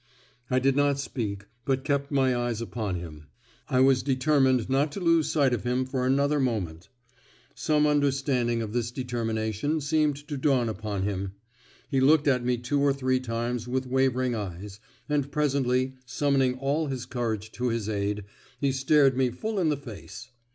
I did not speak, but kept my eyes upon him. I was determined not to lose sight of him for another moment. Some understanding of this determination seemed to dawn upon him; he looked at me two or three times with wavering eyes, and presently, summoning all his courage to his aid, he stared me full in the face.